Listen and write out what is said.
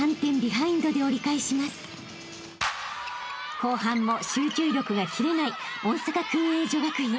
［後半も集中力が切れない大阪薫英女学院］